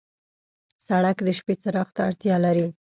سړک د شپې څراغ ته اړتیا لري.